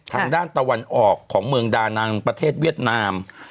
ตะวันออกของเมืองดานังประเทศเวียดนาม